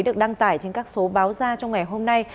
được đăng tải trên các số báo ra trong ngày hôm nay